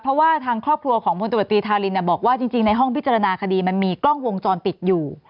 เพราะว่าทางครอบครัวของพลตรวจตรีธารินบอกว่าจริงในห้องพิจารณาคดีมันมีกล้องวงจรปิดอยู่